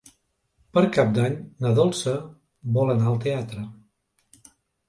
Per Cap d'Any na Dolça vol anar al teatre.